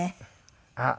あっ